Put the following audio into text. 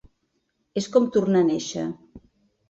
És com tornar a néixer.